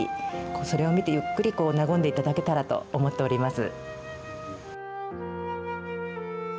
それを見てゆっくりなごんでもらえたらと思っています。